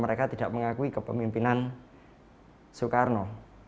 mereka tidak mengakui kepemimpinan soekarno